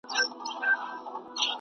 مه هېروئ خپل معلومات تازه کړئ.